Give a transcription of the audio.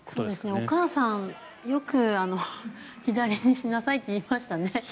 お母さんよく左にしなさいって言いましたね。